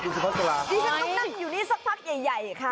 ที่ฉันต้องนั่งอยู่นี่สักพักคนใหญ่ค่ะ